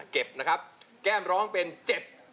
เก็บนะครับแก้มร้องเป็นเจ็บ